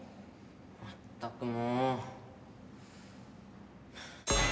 まったくもう。